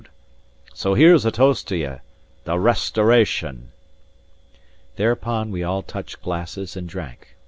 And so here's a toast to ye: The Restoration!" Thereupon we all touched glasses and drank.